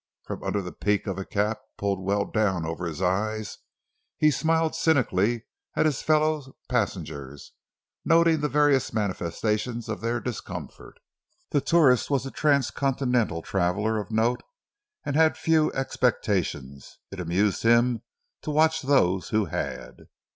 From under the peak of a cap pulled well down over his eyes he smiled cynically at his fellow passengers, noting the various manifestations of their discomfort. The tourist was a transcontinental traveler of note and he had few expectations. It amused him to watch those who had.